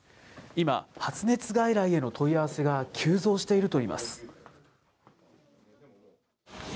今、発熱外来への問い合わせが急増しているといいます。